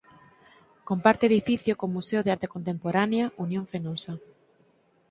Comparte edificio co Museo de Arte Contemporánea Unión Fenosa.